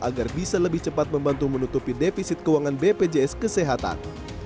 agar bisa lebih cepat membantu menutupi defisit keuangan bpjs kesehatan